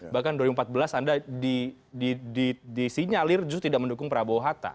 bahkan dua ribu empat belas anda disinyalir justru tidak mendukung prabowo hatta